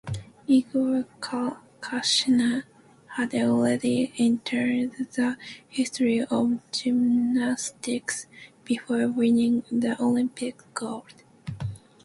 Igor Cassina had already entered the history of gymnastics before winning the Olympic gold.